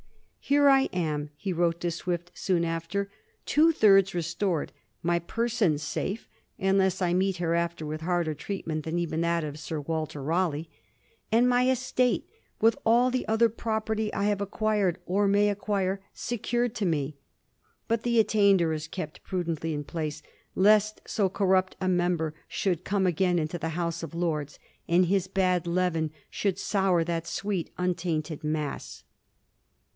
* Here I am,' VOL. I. z Digiti zed by Google 338 A HISTORY OF THE FOUR GEORGES, ch. xtl he wrote to Swift soon after, * two thirds restored, my person safe (unless I meet hereafter with harder treat ment than even that of Sir Walter Raleigh), aad my estate, with all the other property I have acquired, or may acquire, secured to me. But the attainder is kept prudently in force, lest so corrupt a member should come again into the House of Lords and his bad leaven should sour that sweet, untainted mass.'